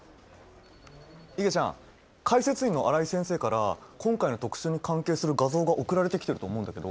いげちゃん解説委員の新井先生から今回の特集に関係する画像が送られてきてると思うんだけど。